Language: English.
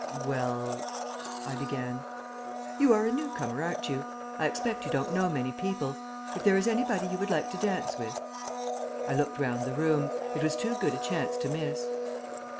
"Well " I began. "You are a new comer, aren't you? I expect you don't know many people. If there is anybody you would like to dance with " I looked round the room. It was too good a chance to miss.